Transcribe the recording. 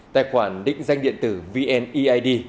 tài khoản định danh điện tử vneid